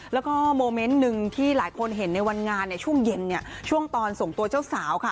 แล้วก็โมเมนต์หนึ่งที่หลายคนเห็นในวันงานช่วงเย็นช่วงตอนส่งตัวเจ้าสาวค่ะ